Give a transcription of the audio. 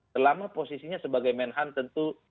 selama posisinya sebagai manhattan tuh